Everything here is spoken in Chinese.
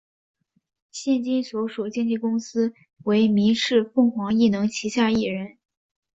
现今所属经纪公司为民视凤凰艺能旗下艺人。